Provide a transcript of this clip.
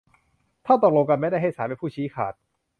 ถ้าตกลงกันไม่ได้ให้ศาลเป็นผู้ชี้ขาด